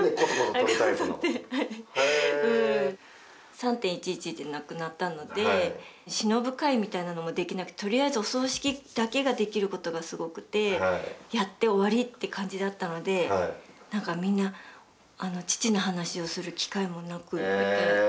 ３・１１で亡くなったので偲ぶ会みたいなのもできなくてとりあえずお葬式だけができることがすごくてやって終わりって感じだったので何かみんな父の話をする機会もなくって。